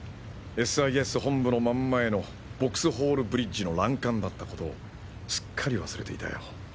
ＳＩＳ本部の真ん前のヴォクスホールブリッジの欄干だったことをすっかり忘れていたよ